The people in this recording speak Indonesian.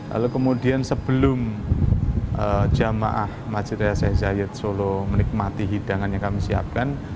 lalu kemudian sebelum jamaah masjid raya zayed solo menikmati hidangan yang kami siapkan